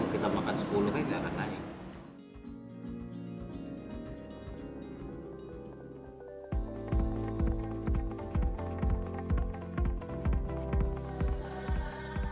kita makan sepuluh kan tidak akan naik